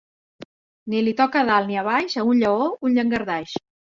Ni li toca a dalt ni a baix a un lleó, un llangardaix.